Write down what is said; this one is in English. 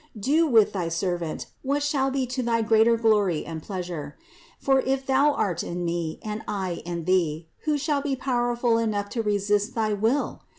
Do with thy servant, what shall be to thy greater glory and pleas ure. For if Thou art in me, and I in Thee, who shall be powerful enough to resist thy will?